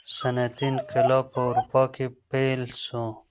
صنعتي انقلاب په اروپا کي پیل سو.